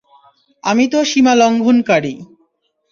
আমি তো সীমালংঘনকারী।